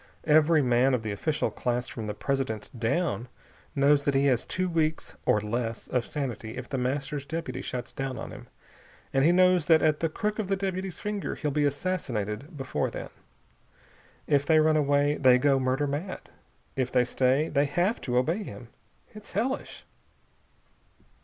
Every man of the official class from the President down knows that he has two weeks or less of sanity if The Master's deputy shuts down on him and he knows that at the crook of the deputy's finger he'll be assassinated before then. If they run away, they go murder mad. If they stay, they have to obey him. It's hellish!"